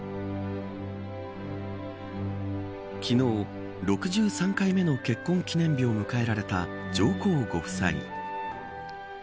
昨日、６３回目の結婚記念日を迎えられた上皇ご夫妻。